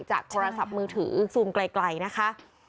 โทรศัพท์มือถือซูมไกลนะคะ